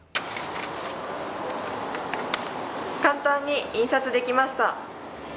簡単に印刷できました。